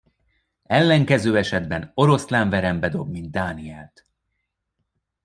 Ellenkező esetben oroszlánverembe dob, mint Dánielt.